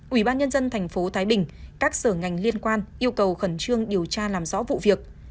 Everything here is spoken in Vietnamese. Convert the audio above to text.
ủy ban nhân dân thành phố thái bình các sở ngành liên quan yêu cầu khẩn trương điều tra làm rõ vụ việc